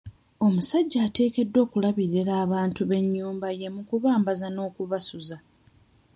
Omusajja ateekeddwa okulabirira abantu b'ennyumba ye mu kubambaza n'okubasuza.